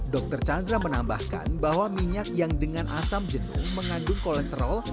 dr chandra menambahkan bahwa minyak yang dengan asam jenuh mengandung kolesterol